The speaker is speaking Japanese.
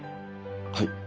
はい？